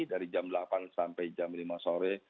dari jam delapan sampai jam lima sore